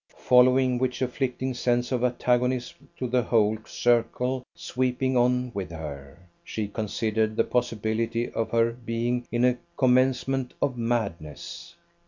Following which afflicting sense of antagonism to the whole circle sweeping on with her, she considered the possibility of her being in a commencement of madness.